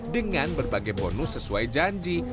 dengan berbagai bonus sesuai janji